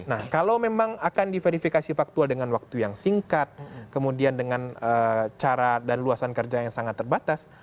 nah kalau memang akan diverifikasi faktual dengan waktu yang singkat kemudian dengan cara dan luasan kerja yang sangat terbatas